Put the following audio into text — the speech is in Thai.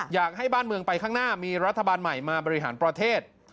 อยากให้บ้านเมืองไปข้างหน้ามีรัฐบาลใหม่มาบริหารประเทศ